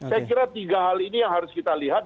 saya kira tiga hal ini yang harus kita lihat